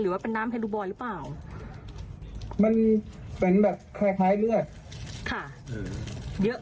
หรือว่าเป็นน้ำหรือเปล่ามันเป็นแบบคล้ายเลือดค่ะอืมเยอะ